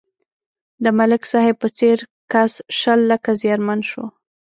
د ملک صاحب په څېر کس شل لکه زیانمن شو.